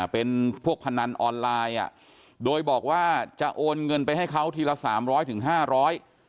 เป็นพวกพนันออนไลน์อ่ะโดยบอกว่าจะโอนเงินไปให้เขาทีละสามร้อยถึงห้าร้อย